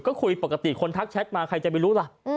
ก็คุยปกติคนทักแชทมาใครจะไปรู้ล่ะ